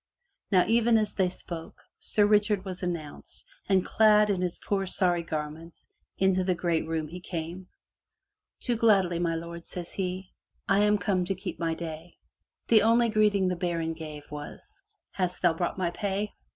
Now even as they spoke, Sir Richard was announced and, clad in his poor sorry garments, into the great room he came. "Do gladly, my lord,'* says he. "I am come to keep my day.'* The only greeting the baron gave, was, "Hast thou brought my pay?